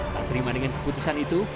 tak terima dengan keputusan itu